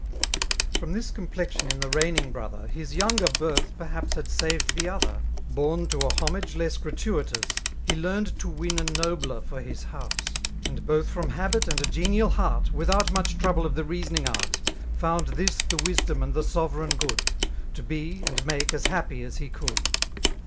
•From this complexion in the reigning brother^ His younger birth perhaps had saved the other. Bom to a homage less gratiiit0as^ He learned to wm a aobler for his hoiise^ And both from habilr and a genial hearty Without much troohle of the reasoning art^ FcnmA flas the wisdom and the sorereign good, —; To be> and make^ as happy as he (c^uld.